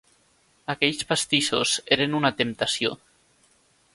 Aquells pastissos eren una temptació.